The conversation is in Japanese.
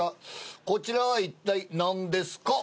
こちらは一体何ですか？